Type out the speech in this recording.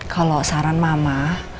kalau saran mama